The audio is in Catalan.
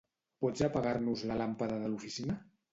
Pots apagar-nos la làmpada de l'oficina?